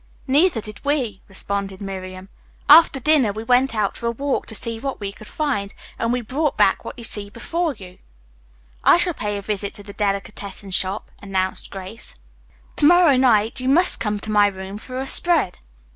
"Neither did we," responded Miriam. "After dinner we went out for a walk to see what we could find, and we brought back what you see spread before you." "I shall pay a visit to the delicatessen shop," announced Grace. "To morrow night you must come to my room for a spread."